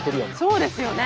そうですよね。